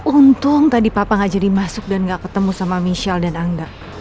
untung tadi papa gak jadi masuk dan gak ketemu sama michelle dan anggar